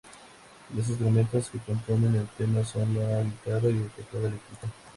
Los instrumentos que componen el tema son la guitarra y el teclado electrónico.